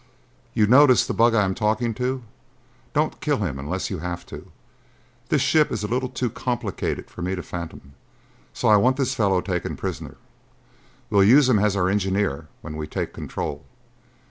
You notice the bug I am talking to? Don't kill him unless you have to. This ship is a little too complicated for me to fathom, so I want this fellow taken prisoner. We'll use him as our engineer when we take control."